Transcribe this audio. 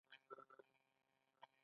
باز خپل ښکار سمبال ساتي